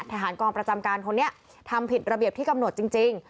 ทหารกองประจำการคนนี้ทำผิดระเบียบที่กำหนดจริง